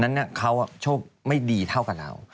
นั้นเขาโชคไม่ดีเท่ากับเรา